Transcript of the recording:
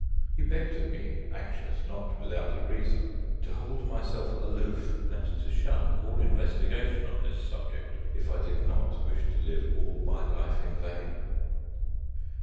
" He begged of me, anxious not without a reason, to hold myself aloof and to shun all investigation on this subject, if I did not wish to live all my life in vain."